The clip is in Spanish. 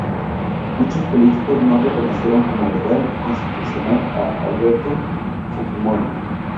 Muchos políticos no reconocieron como legal y constitucional a Alberto Fujimori.